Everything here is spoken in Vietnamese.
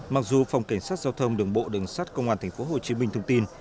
mặc dù phòng cảnh sát giao thông đường bộ đường sát công an tp hcm thông tin